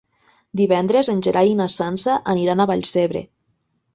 Divendres en Gerai i na Sança aniran a Vallcebre.